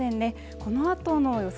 このあとの予想